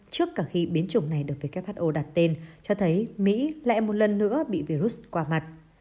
trước cả khi biến chủng này được who đặt tên cho thấy mỹ lại một lần nữa bị virus qua mặt